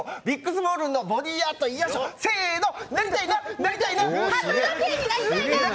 ビックスモールンのボディーアートよいしょ！